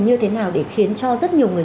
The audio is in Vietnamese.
như thế nào để khiến cho rất nhiều người